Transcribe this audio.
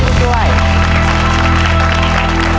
ขอเชิญด้วย